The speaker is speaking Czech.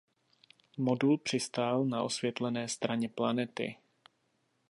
Modul přistál na osvětlené straně planety.